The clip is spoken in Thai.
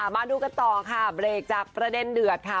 มาดูกันต่อค่ะเบรกจากประเด็นเดือดค่ะ